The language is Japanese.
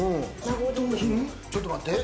ちょっと待って。